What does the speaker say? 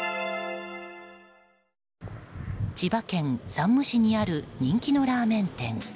千葉県山武市にある人気のラーメン店。